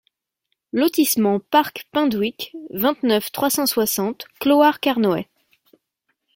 Lotissement Park Penduick, vingt-neuf, trois cent soixante Clohars-Carnoët